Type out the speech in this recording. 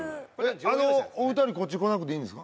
あのお二人こっち来なくていいんですか？